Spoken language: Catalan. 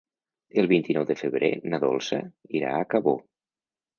El vint-i-nou de febrer na Dolça irà a Cabó.